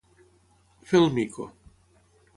Fer el mico.